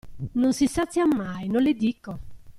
Non si sazia mai, non le dico.